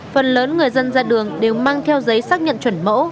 phần lớn người dân ra đường đều mang theo giấy xác nhận chuẩn mẫu